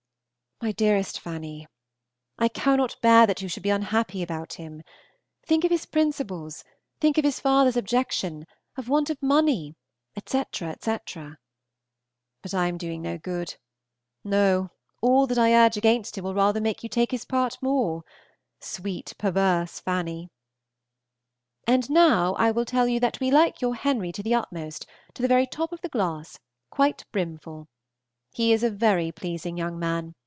My dearest Fanny, I cannot bear you should be unhappy about him. Think of his principles; think of his father's objection, of want of money, etc., etc. But I am doing no good; no, all that I urge against him will rather make you take his part more, sweet, perverse Fanny. And now I will tell you that we like your Henry to the utmost, to the very top of the glass, quite brimful. He is a very pleasing young man.